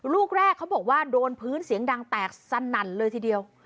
ลูกแรกเขาบอกว่าโดนพื้นเสียงดังแตกสนั่นเลยทีเดียว